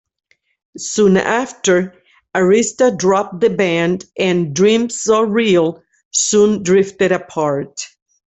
Soon after, Arista dropped the band and Dreams So Real soon drifted apart.